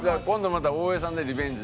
また大江さんでリベンジ。